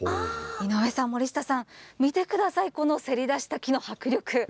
井上さん、森下さん、見てください、このせり出した木の迫力。